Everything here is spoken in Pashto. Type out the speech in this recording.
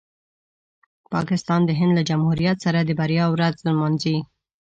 پاکستان د هند له جمهوریت سره د بریا ورځ نمانځي.